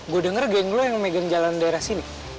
gue denger geng lo yang megang jalan daerah sini